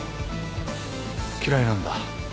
嫌いなんだ。